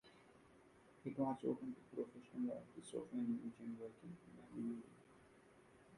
It was open to professional artists of any age and working in any medium.